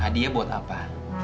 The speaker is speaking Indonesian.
hadiah buat apa